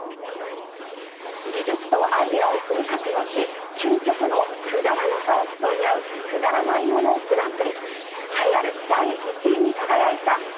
技術とアイデアをフル活用し、究極のくだらなさを競い合う、くだらないものグランプリ。